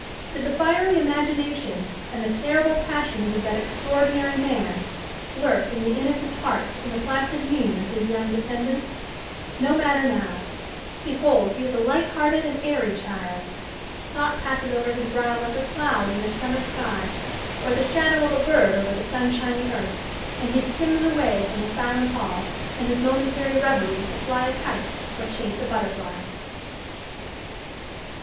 Did the fiery imagination and the terrible passions of that extraordinary man lurk in the innocent heart and the placid mien of his young descendant? No matter now! Behold, he is a light hearted and airy child! Thought passes over his brow like a cloud in a summer sky, or the shadow of a bird over the sunshiny earth; and he skims away from the silent hall and his momentary reverie to fly a kite or chase a butterfly!